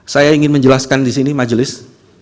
saya ingin menjelaskan disini majelis